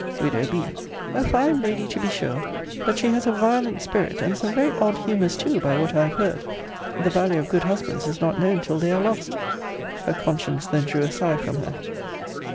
Widow B. A fine lady, to be sure! But she has a violent spirit; and some very odd humours too, by what I have heard. The value of good husbands is not known till they are lost! Her conscience then drew a sigh from her.